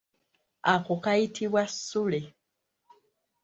Ako kayitibwa ssule.